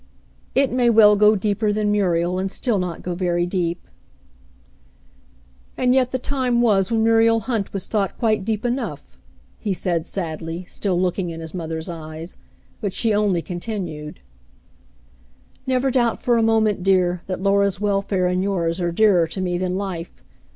"It may well go deeper than Muriel, and still not go very deep." " And yet the time was when Muriel Hunt was thought quite deep enough," he said sadly, still looking in his mother's eyes — but she only continued :—" Never doubt for a moment, dear, that Laura's welfare and yours are dearer to me than life.